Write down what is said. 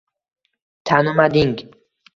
Tanimading.